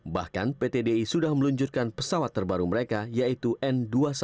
bahkan ptdi sudah meluncurkan pesawat terbaru mereka yaitu n dua ratus sembilan belas